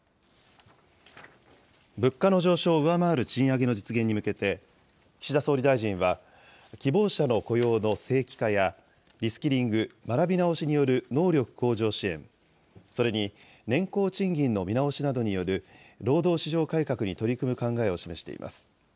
物価の上昇を上回る賃上げの実現に向けて、岸田総理大臣は、希望者の雇用の正規化や、リスキリング・学び直しによる能力向上支援、それに年功賃金の見直しなどによる労働市場改革に取り組む考えを示しています。